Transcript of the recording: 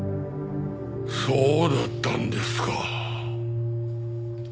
そうだったんですか。